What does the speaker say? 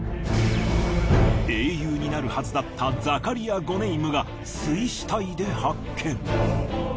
英雄になるはずだったザカリア・ゴネイムが水死体で発見。